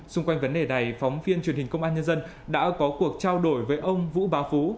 xung quanh vấn đề này phóng viên truyền hình công an nhân dân đã có cuộc trao đổi với ông vũ bá phú